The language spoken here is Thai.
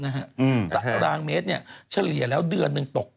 แต่ตารางเมตรเนี่ยเฉลี่ยแล้วเดือนนึงตก